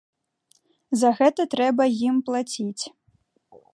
За гэта трэба ім плаціць.